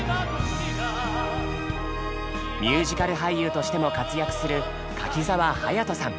ミュージカル俳優としても活躍する柿澤勇人さん。